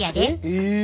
へえ。